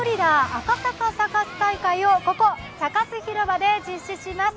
赤坂サカス大会をここサカス広場で開催します